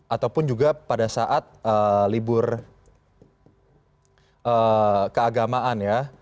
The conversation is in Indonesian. ataupun juga pada saat libur keagamaan ya